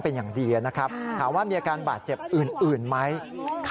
เพราะว่าตอนแรก